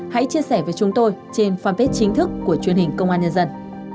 hãy chia sẻ với chúng tôi trên fanpage chính thức của truyền hình công an nhân dân